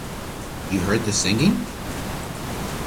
You heard the singing?